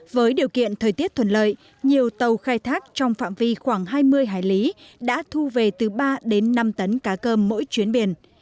với điều kiện thời tiết thuận lợi nhiều tàu khai thác trong phạm vi khoảng hai mươi hải lý đã thu về từ ba đến năm tấn cá cơm mỗi chuyến biển